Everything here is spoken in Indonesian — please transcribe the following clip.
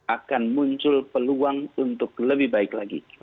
akan muncul peluang untuk lebih baik lagi